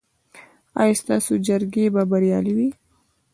ایا ستاسو جرګې به بریالۍ وي؟